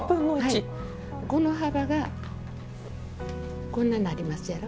この幅がこんななりますやろ。